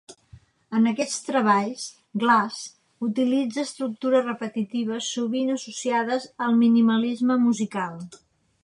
En aquests treballs, Glass utilitza estructures repetitives sovint associades al minimalisme musical.